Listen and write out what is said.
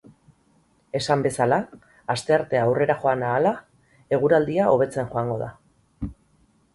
Esan bezala, asteartea aurrera joan ahala, eguraldia hobetzen joango da.